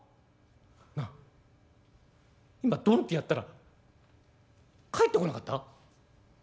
「なあ今ドンってやったら返ってこなかった？」。